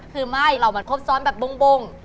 คือไม่เรามาครบซ้อนแบบบง